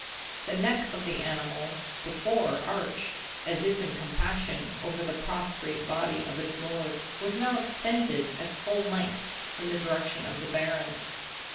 The neck of the animal, before arched, as if in compassion, over the prostrate body of its lord, was now extended, at full length, in the direction of the Baron.